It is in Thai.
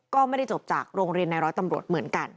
ก็ไม่ได้จบจากโรงเรียนในร้อยตำรวจเหมือนกัน